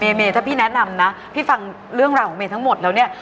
เมถ้าพี่แนะนำนะพี่ฟังเรื่องราวของเมย์ทั้งหมดแล้วเนี่ย